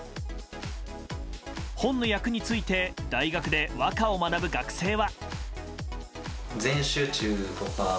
本の訳について大学で和歌を学ぶ学生は。